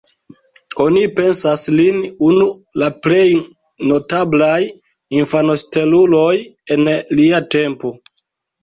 Oni pensas lin unu la plej notablaj infanosteluloj en lia tempo.